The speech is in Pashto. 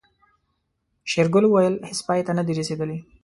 شېرګل وويل هيڅ پای ته نه دي رسېدلي.